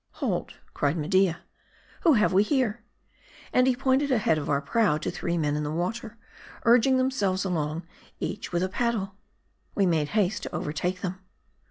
"Hold!" cried Media, "who have we here?" and he pointed ahead of our prow to three men in the water, urg ing themselves along, each with a paddle. We made haste to overtake them.